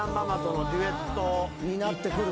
になってくるね。